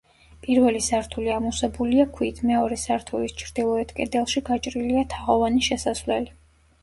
პირველი სართული ამოვსებულია ქვით, მეორე სართულის ჩრდილოეთ კედელში გაჭრილია თაღოვანი შესასვლელი.